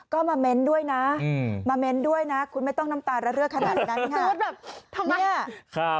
ก็มาเม้นด้วยนะมาเม้นด้วยนะคุณไม่ต้องน้ำตาระเรือขนาดนั้นค่ะ